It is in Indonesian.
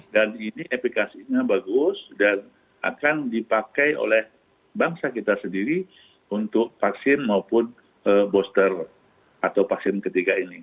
dan ini aplikasinya bagus dan akan dipakai oleh bangsa kita sendiri untuk vaksin maupun booster atau vaksin ketiga ini